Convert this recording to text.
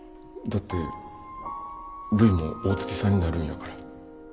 だってるいも大月さんになるんやから。